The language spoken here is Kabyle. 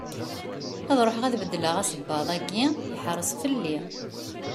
Ad ruḥeɣ ad d-beddleɣ asebbaḍ-agi, yeḥreṣ fell-i.